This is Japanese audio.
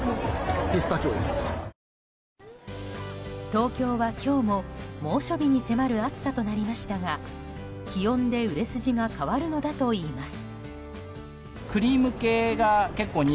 東京は今日も猛暑日に迫る暑さとなりましたが気温で売れ筋が変わるのだといいます。